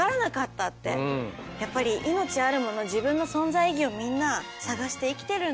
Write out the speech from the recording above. やっぱり命あるもの自分の存在意義をみんな探して生きてるんだ